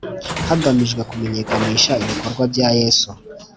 hagamijwe kumenyekanisha ibikorwa bya Yesu